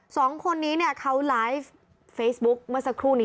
สองคนนี้เนี่ยเขาไลฟ์เฟซบุ๊คเมื่อสักครู่นี้